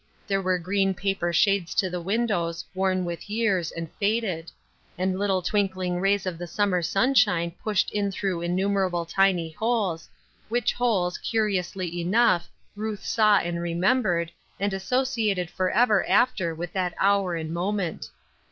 There were green paper shades to the windows, worn with years, and faded ; and little twink ling rays of the summer sunshine pushed in through innumerable tiny holes, which holes, curiously enough, Ruth saw and remembered, 286 Ruth Ernkine's Crosses, and associated forever after with that hour and moment.